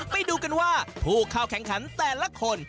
ไปดูกันว่าผู้เข้าแข่งขันแต่ละคน